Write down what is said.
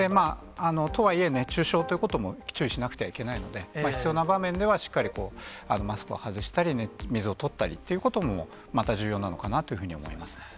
とはいえ、熱中症ということも注意しなくてはいけないので、必要な場面では、しっかり、マスクを外したり、水をとったりということも、また重要なのかなというふうに思います。